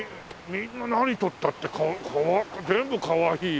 みんな何撮ったってかわいい全部かわいいよ。